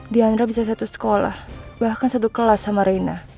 diandra bisa satu sekolah bahkan satu kelas sama reina